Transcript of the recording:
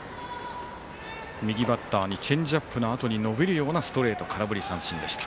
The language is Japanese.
右バッターにチェンジアップのあとに伸びるようなストレート空振り三振でした。